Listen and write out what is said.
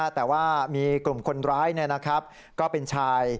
แต่ว่ามีกลุ่มคนร้ายก็เป็นชาย